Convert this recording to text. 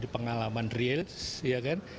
pengalaman real ya kan